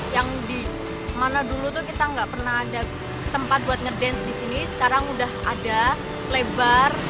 yang di mana dulu tuh kita nggak pernah ada tempat buat ngedance di sini sekarang udah ada lebar